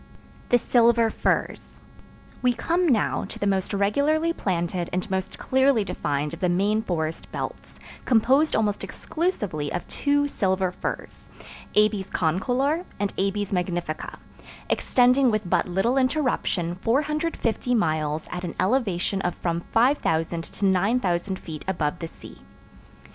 The Silver Firs We come now to the most regularly planted and most clearly defined of the main forest belts, composed almost exclusively of two Silver Firs—Abies concolor and Abies magnifica—extending with but little interruption 450 miles at an elevation of from 5000 to 9000 feet above the sea.